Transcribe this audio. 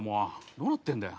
どうなってんだよ。